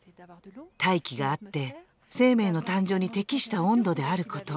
大気があって生命の誕生に適した温度であること。